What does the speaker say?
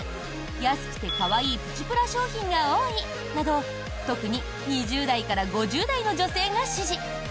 安くて可愛いプチプラ商品が多い！など特に２０代から５０代の女性が支持。